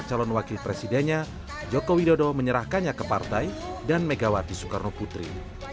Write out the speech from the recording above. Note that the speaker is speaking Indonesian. calon wakil presidennya joko widodo menyerahkannya ke partai dan megawati soekarno putri